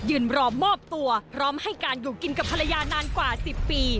รอมอบตัวพร้อมให้การอยู่กินกับภรรยานานกว่า๑๐ปี